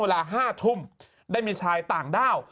เวลา๕ทุ่มได้มีชายต่างด้าว